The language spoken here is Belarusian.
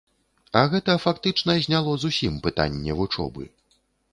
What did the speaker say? А гэта, фактычна, зняло зусім пытанне вучобы.